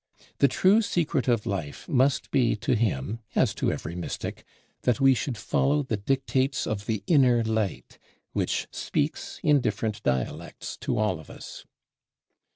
The true secret of life must be to him, as to every "mystic," that we should follow the dictates of the inner light which speaks in different dialects to all of us.